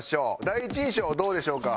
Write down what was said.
第一印象どうでしょうか？